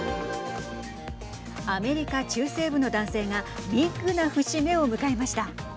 アメリカ中西部の男性がビッグな節目を迎えました。